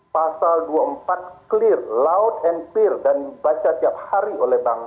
pasal dua puluh empat clear loud and peer dan dibaca tiap hari oleh bangsa